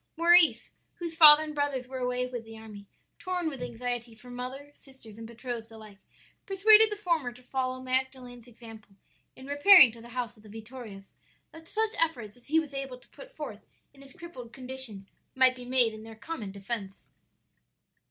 "Maurice, whose father and brothers were away with the army, torn with anxiety for mother, sisters, and betrothed alike, persuaded the former to follow Magdalen's example in repairing to the house of the Vittorias, that such efforts as he was able to put forth in his crippled condition might be made in their common defence.